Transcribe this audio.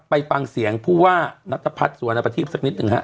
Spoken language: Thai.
ไปฟังเสียงผู้ว่านัตรภัทรสวรรค์ประทิบสักนิดหนึ่งฮะ